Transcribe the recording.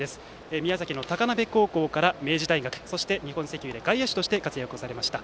宮崎の高鍋高校から明治大学そして日本石油で外野手として活躍されました。